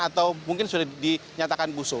atau mungkin sudah dinyatakan busuk